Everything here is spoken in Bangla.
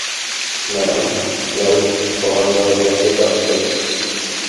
ম্যাডাম, ফ্লাইট কমান্ডার আপনাকে ডাকছেন।